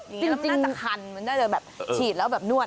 แล้วมันน่าจะคันมันได้เลยแบบฉีดแล้วแบบนวด